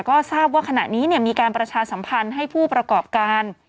ก็ทราบว่าขณะนี้มีการประชาสัมพันธ์ให้ผู้ประกอบการ